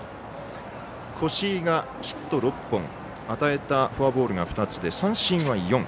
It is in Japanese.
越井がヒット６本与えたフォアボールが２つで三振は４。